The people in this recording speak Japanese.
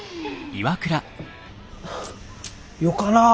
よかなぁ